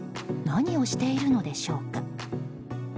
何をしているのでしょうか。